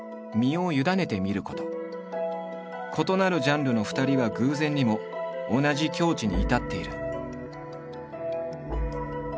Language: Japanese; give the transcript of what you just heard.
異なるジャンルの２人は偶然にも同じ境地に至っている。